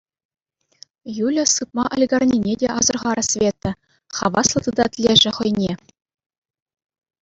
Юля сыпма ӗлкӗрнине те асӑрхарӗ Света, хаваслӑ тытать лешӗ хӑйне.